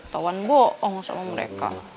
tauan bohong sama mereka